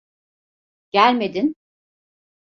Gelmedin.